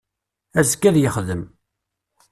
Azekka ad yexdem